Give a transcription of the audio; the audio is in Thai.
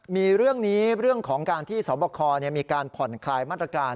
มีเรื่องนี้เรื่องของการที่สวบคมีการผ่อนคลายมาตรการ